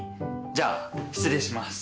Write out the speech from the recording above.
じゃあ失礼します。